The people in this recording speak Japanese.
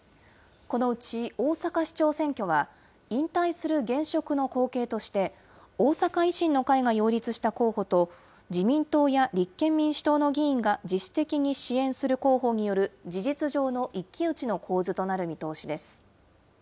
このうち大阪市長選挙は、引退する現職の後継として、大阪維新の会が擁立した候補と、自民党や立憲民主党の議員が自主的に支援する候補による事実上の一騎打ちの構図となる見通しです。